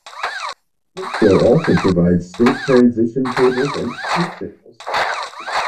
Stateflow also provides state transition tables and truth tables.